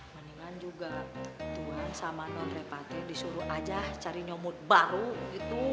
mendingan juga tuhan sama nol repate disuruh aja cari nyomut baru gitu